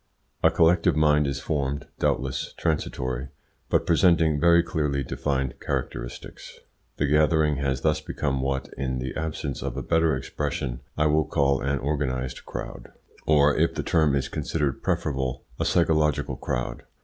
A collective mind is formed, doubtless transitory, but presenting very clearly defined characteristics. The gathering has thus become what, in the absence of a better expression, I will call an organised crowd, or, if the term is considered preferable, a psychological crowd.